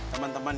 semangat ya ito